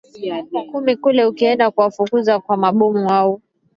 kumi kule ukienda kuwafukuza kwa mabomu au